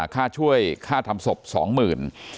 ค่าช่วยค่าทำศพ๒๐๐๐บาท